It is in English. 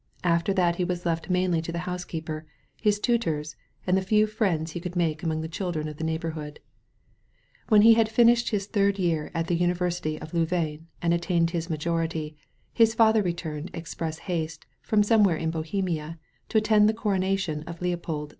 After that he was left mainly to the housekeeper, his tutors, and the few friends he could mak^ among the children of the neighbor hood. 42 A SANCTUARY OF TREES 'When he had finished his third year at the Uni versity of Louvain and attained his majority, his father returned express haste from somewhere in Bohemia, to attend the coronation of Leopold II.